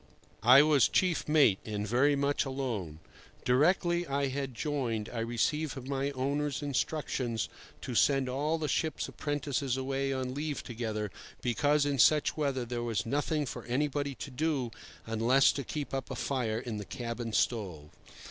I was chief mate, and very much alone. Directly I had joined I received from my owners instructions to send all the ship's apprentices away on leave together, because in such weather there was nothing for anybody to do, unless to keep up a fire in the cabin stove.